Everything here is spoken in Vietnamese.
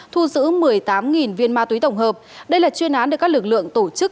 thu giữ một mươi tám viên ma túy tổng hợp đây là chuyên án được các lực lượng tổ chức